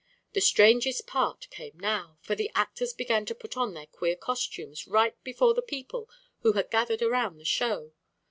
The strangest part came now, for the actors began to put on their queer costumes right before the people who had gathered around the show.